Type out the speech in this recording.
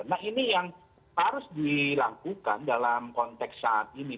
nah ini yang harus dilakukan dalam konteks saat ini